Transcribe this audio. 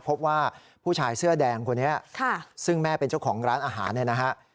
พบว่าผู้ชายเสื้อแดงคนนี้ซึ่งแม่เป็นเจ้าของร้านอาหารเนี่ยนะฮะ